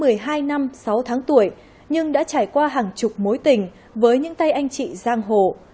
cô gái thủ lĩnh mới một mươi hai tháng tuổi nhưng đã trải qua hàng chục mối tình với những tay anh chị giang hồ